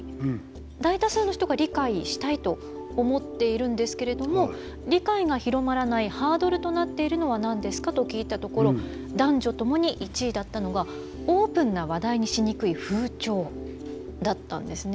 大多数の人が理解したいと思っているんですけれども「理解が広まらないハードルとなっているのは何ですか？」と聞いたところ男女ともに１位だったのがオープンな話題にしにくい風潮だったんですね。